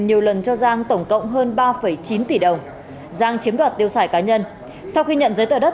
nhiều lần cho giang tổng cộng hơn ba chín tỷ đồng giang chiếm đoạt tiêu sải cá nhân sau khi nhận giấy tờ đất